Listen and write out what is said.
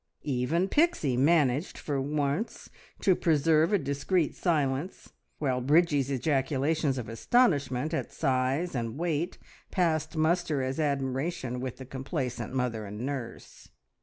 Even Pixie managed for once to preserve a discreet silence, while Bridgie's ejaculations of astonishment at size and weight passed muster as admiration with the complacent mother and nurse.